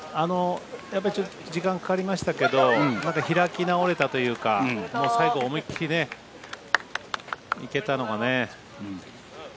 やっぱり時間かかりましたけど開き直れたというか最後、思いっきりいけたのが。